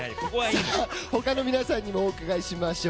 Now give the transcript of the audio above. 他の皆さんにもお伺いしましょう。